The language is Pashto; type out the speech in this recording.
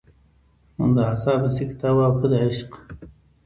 د اعصابو سکته وه او که د عشق.